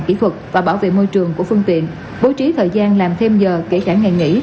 kỹ thuật và bảo vệ môi trường của phương tiện bố trí thời gian làm thêm giờ kể cả ngày nghỉ